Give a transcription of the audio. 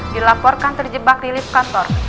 dilaporkan terjebak di lift kantor